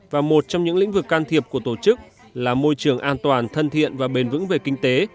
và một trong những lĩnh vực can thiệp của tổ chức là môi trường an toàn thân thiện và bền vững về kinh tế